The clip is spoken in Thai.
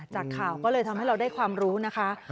จากข่าวก็เลยทำให้เราได้ความรู้นะคะ